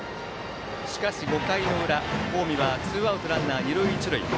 しかし５回の裏近江はツーアウトランナー、二塁一塁。